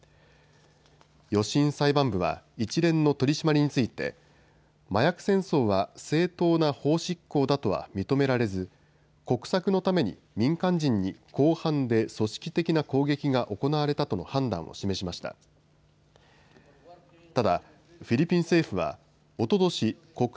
予審裁判部は一連の取締りについて麻薬戦争は正当な法執行だとは認められず国策のために民間人に広範で組織的な攻撃が行われたとの判断を示しました。